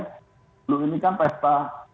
dulu ini kan pesta